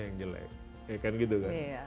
yang jelek ya kan gitu kan